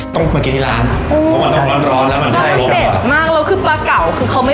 ต้องมากินที่ร้านเพราะมันต้องร้อนร้อนแล้วมันใช่รสเด็ดมากแล้วคือปลาเก่าคือเขาไม่